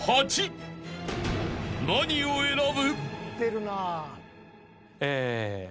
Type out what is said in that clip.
［何を選ぶ？］